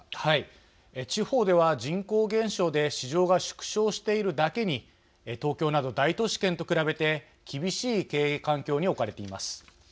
地方では、人口減少で市場が縮小しているだけに東京など大都市圏と比べて厳しい経営環境に置かれています。